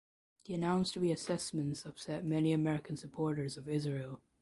The announced reassessments upset many American supporters of Israel.